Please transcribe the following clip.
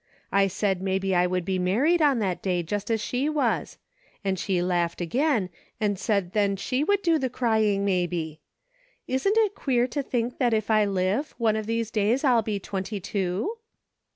I said maybe I would be married on that day, just as she was ; and she laughed again, and said then she would do the crying, maybe. Isn't it queer to think that if I live, one of these days I'll be twenty two